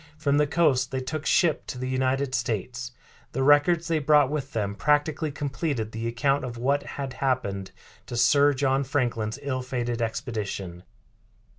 From the coast they took ship to the United States. The records they brought with them practically completed the account of what had happened to Sir John Franklin's ill fated expedition.